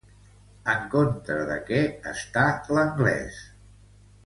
En contra de què està l'anglès?